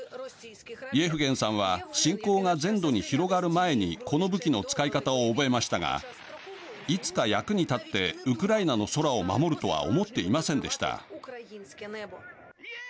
イエフゲンさんは侵攻が全土に広がる前にこの武器の使い方を覚えましたがいつか役に立ってウクライナの空を守るとは思っていませんでした。